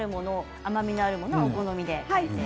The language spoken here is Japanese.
甘みのあるものはお好みで。